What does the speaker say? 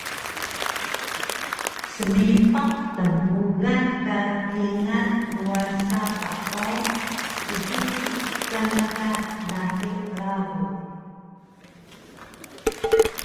Smipaq tnbugan ka kingal ruwan sapah o ssugun kana ka laqi rabu